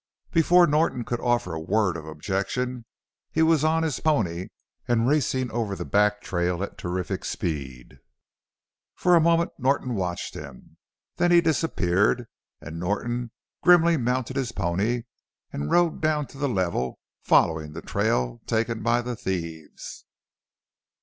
Before Norton could offer a word of objection he was on his pony and racing over the back trail at terrific speed. For a moment Norton watched him. Then he disappeared and Norton grimly mounted his pony and rode down to the level following the trail taken by the thieves.